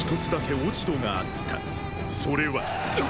それは。！